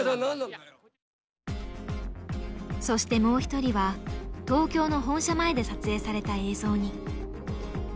そしてもう一人は東京の本社前で撮影された映像に。